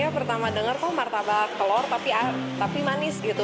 pertama dengar kok martabak telur tapi manis gitu